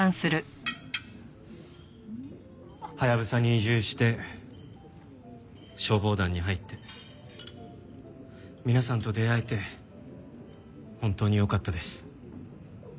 ハヤブサに移住して消防団に入って皆さんと出会えて本当によかったです。